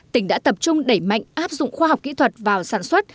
tỉnh đã tập trung đẩy mạnh áp dụng khoa học kỹ thuật vào sản xuất